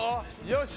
よし！